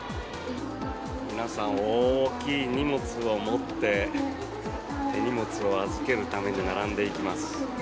皆さん大きい荷物を持って手荷物を預けるために並んでいきます。